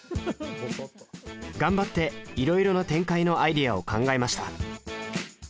頑張っていろいろな展開のアイデアを考えました。